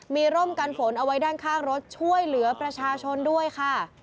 มีร่มกันฝนเอาไว้ด้านข้างรถช่วยเหลือประชาชนด้วยค่ะ